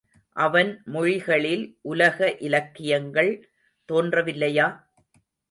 அவன் மொழிகளில் உலக இலக்கியங்கள் தோன்றவில்லையா?